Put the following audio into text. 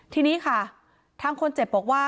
ทีนี้ค่ะทางคนเจ็บบอกว่า